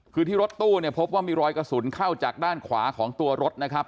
คือที่รถตู้เนี่ยพบว่ามีรอยกระสุนเข้าจากด้านขวาของตัวรถนะครับ